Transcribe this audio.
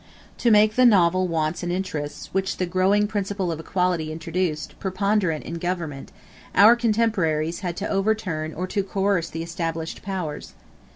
To make the novel wants and interests, which the growing principle of equality introduced, preponderate in government, our contemporaries had to overturn or to coerce the established powers.